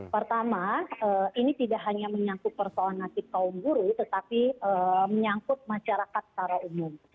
pertama ini tidak hanya menyangkut persoalan nasib kaum buruh tetapi menyangkut masyarakat secara umum